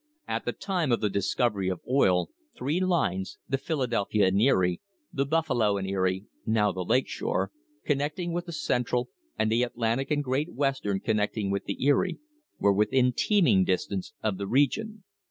At the time of the discovery of oil three lines, the Philadelphia and Erie, the Buffalo and Erie (now the Lake Shore), connecting with the Central, and the Atlantic and Great Western, connecting with the Erie, were within teaming distance of the region.